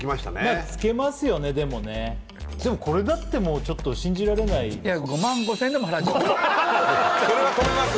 まあつけますよねでもねでもこれだってもうちょっと信じられないそれは止めます